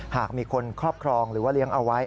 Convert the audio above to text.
หากมีคนครอบครองหรือว่าเลี้ยงเอาไว้